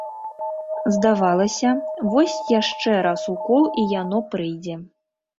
Здавалася, вось яшчэ раз укол і яно прыйдзе.